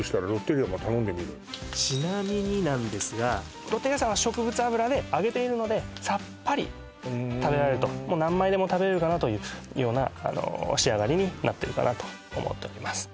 今度ちなみになんですがロッテリアさんは植物油で揚げているのでサッパリ食べられるともう何枚でも食べれるかなというような仕上がりになってるかなと思っております